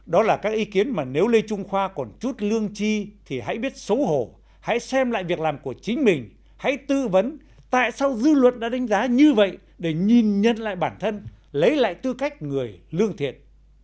đó là các ý kiến mà nếu lê trung khoa còn chút lương chi thì hãy biết xấu hổ hãy xem lại việc làm của chính mình hãy tư vấn tại sao dư luận đã đánh giá như vậy để nhìn nhận lại bản thân lấy lại tư cách người lương thiện